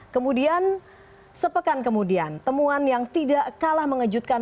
kemudian sepekan kemudian temuan yang tidak kalah mengejutkan